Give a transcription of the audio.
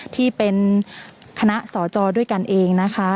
ที่เป็นคณะสอจอด้วยกันเองนะคะ